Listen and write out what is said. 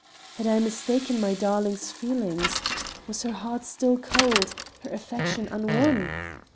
Had I mistaken my darling's feelings? Was her heart still cold, her affection unwon?